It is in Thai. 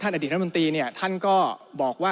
ท่านอดีตทางดนตรีเนี่ยท่านก็บอกว่า